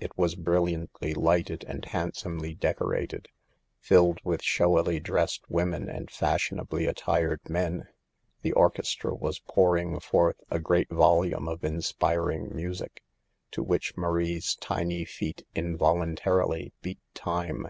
It was brilliantly lighted and hand somely decorated ; rilled with showily dressed women and fashionably attired men. The orchestra was pouring forth a great volume of inspiring music, to which Marie's tiny feet in voluntarily beat time.